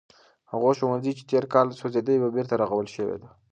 هغه ښوونځی چې تیر کال سوځېدلی و بېرته رغول شوی دی.